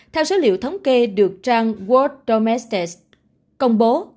theo số liệu thống kê được trang world romesta công bố